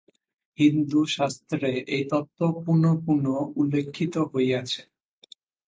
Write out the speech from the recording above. হিন্দুশাস্ত্রে এই তত্ত্ব পুনঃপুন উল্লিখিত হইয়াছে।